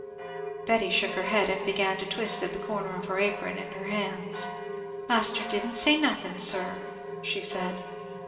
Betty shook her head, and began to twist the corner of her apron in her hands. "Master didn't say nothing, sir," she said.